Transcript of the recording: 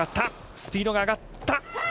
スピードが上がった。